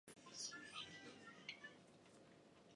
I’m about done out.